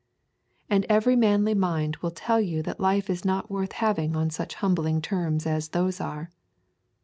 And every manly mind will tell you that life is not worth having on such humbling terms as those are.